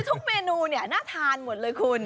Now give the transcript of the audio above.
ทุกเมนูน่าทานหมดเลยคุณ